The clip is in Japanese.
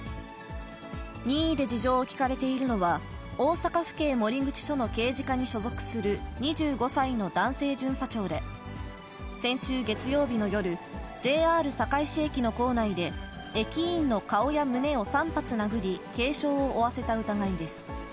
任意で事情を聴かれているのは、大阪府警守口署の刑事課に所属する２５歳の男性巡査長で、先週月曜日の夜、ＪＲ堺市駅の構内で、駅員の顔や胸を３発殴り、軽傷を負わせた疑いです。